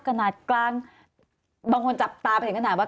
กระหนักกลางบางคนจับตาไปถึงกระหนักว่า